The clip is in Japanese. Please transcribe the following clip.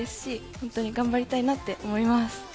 本当に頑張りたいと思います。